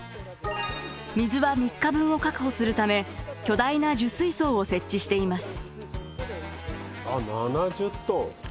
水は３日分を確保するため巨大な受水槽を設置しています。